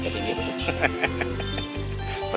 biar minum dah